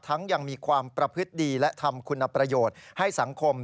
ยังมีความประพฤติดีและทำคุณประโยชน์ให้สังคม